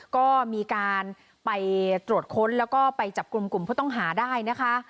ก็มีการไปตรวจค้นแล้วก็ไปจับกลุ่มกลุ่มผู้ต้องหาได้นะคะ